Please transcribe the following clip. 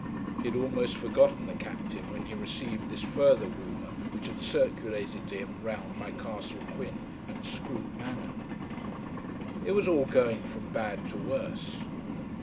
He had almost forgotten the Captain when he received this further rumour which had circulated to him round by Castle Quin and Scroope Manor. It was all going from bad to worse.